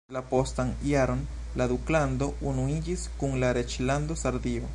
La postan jaron la duklando unuiĝis kun la reĝlando Sardio.